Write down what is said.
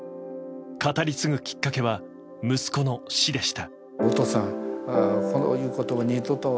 語り継ぐきっかけは息子の死でした。